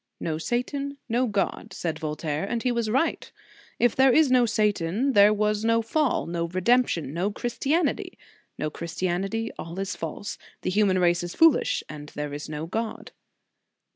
"No Satan, no God," said Voltaire, and he was right. If there is no Satan, there was no fall, no redemption, no Christianity; no Christianity, all is false; the human race is foolish, and there is no God.